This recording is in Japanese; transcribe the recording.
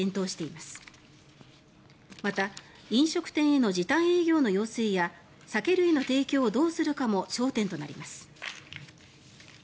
また、飲食店への時短営業の要請や酒類の提供をどうするかも焦点となります。